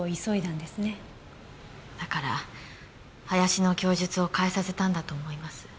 だから林の供述を変えさせたんだと思います。